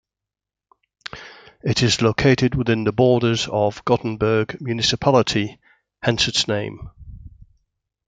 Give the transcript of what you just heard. It is located within the borders of Gothenburg Municipality, hence its name.